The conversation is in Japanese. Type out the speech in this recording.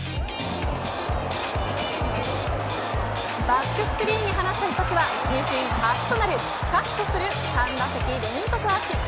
バックスクリーンに放った一発は自身初となるスカッとする３打席連続アーチ。